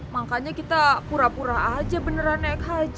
makanya kita pura pura aja beneran naik haji